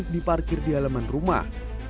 diparkir di elemen rumah